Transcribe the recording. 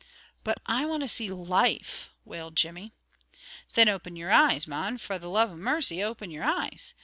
"But I want to see life," wailed Jimmy. "Then open your eyes, mon, fra the love o' mercy, open your eyes!